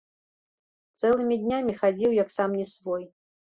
Цэлымі днямі хадзіў як сам не свой.